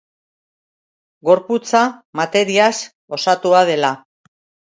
Gorputza materiaz osatua dela.